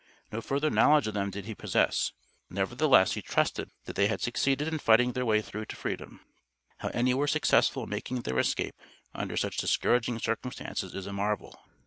No further knowledge of them did he possess; nevertheless, he trusted that they succeeded in fighting their way through to freedom. How any were successful in making their escape under such discouraging circumstances is a marvel.